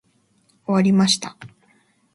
終わりました。